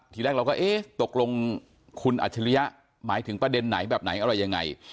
ทีแรกเราก็เอ๊ะตกลงคุณอัจฉริยะหมายถึงประเด็นไหนแบบไหนอะไรยังไง